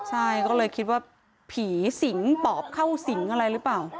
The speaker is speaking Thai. ใช่ก็เลยคิดว่าผีสิงปอบเข้าสิงอะไรหรือเปล่า